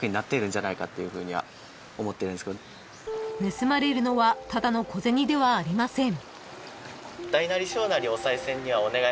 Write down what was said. ［盗まれるのはただの小銭ではありません］